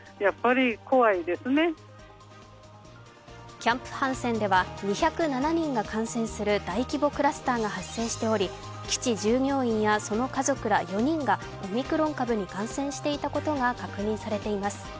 キャンプ・ハンセンでは２０７人が感染する大規模クラスターが発生しており、基地従業員やその家族ら４人がオミクロン株に感染していたことが確認されています。